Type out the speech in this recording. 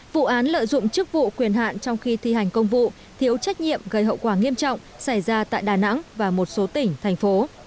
vụ án lợi dụng chức vụ quyền hạn trong khi thi hành công vụ thiếu trách nhiệm gây hậu quả nghiêm trọng xảy ra tại đà nẵng và một số tỉnh thành phố